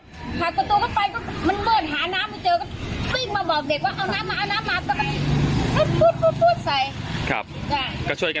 พ่อบอกว่าไฟไหม้ไฟไหม้ร้านจะไก่